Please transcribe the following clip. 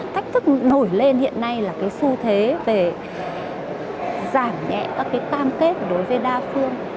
thách thức nổi lên hiện nay là cái xu thế về giảm nhẹ các cái cam kết đối với đa phương